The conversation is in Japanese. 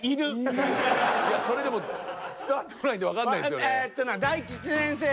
それでも伝わってこないんでわかんないんですよね。